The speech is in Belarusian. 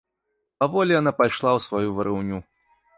Паволі яна пайшла ў сваю варыўню.